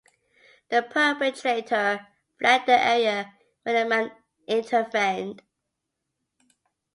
The perpetrator fled the area when the man intervened.